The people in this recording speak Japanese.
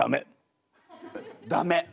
ダメ？